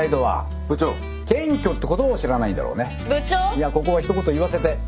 いやここはひと言言わせて。